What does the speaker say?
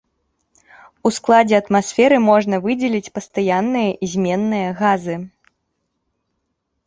У складзе атмасферы можна выдзеліць пастаянныя і зменныя газы.